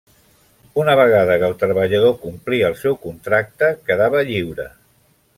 Una vegada que el treballador complia el seu contracte, quedava lliure.